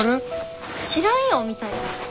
知らんよ！みたいな。